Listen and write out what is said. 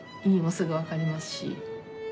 意味もすぐ分かりますし。